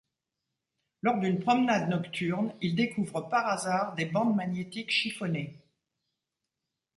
Lors d'une promenade nocturne, il découvre par hasard des bandes magnétiques chiffonnées.